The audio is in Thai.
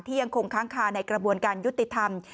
ยังคงค้างคาในกระบวนการยุติธรรม